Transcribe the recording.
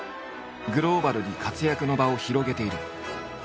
グローバルに活躍の場を広げている。